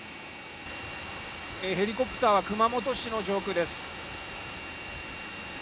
ヘリコプターは熊本市の上空です。